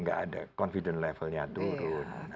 nggak ada confident levelnya turun